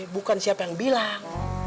bukan siapa yang bilang